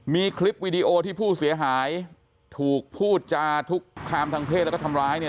มีคลิปวีดีโอที่ผู้เสียหายถูกพูดจาคุกคามทางเพศแล้วก็ทำร้ายเนี่ย